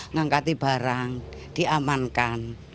ngangkati barang diamankan